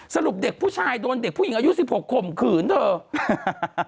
สรุปเด็กผู้ชายโดนเด็กผู้หญิงอายุ๑๖ข่มขืนเธอ